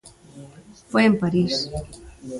Foi en París.